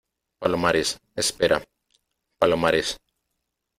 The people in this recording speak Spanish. palomares , espera . palomares .